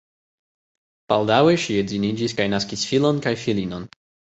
Baldaŭe ŝi edziniĝis kaj naskis filon kaj filinon.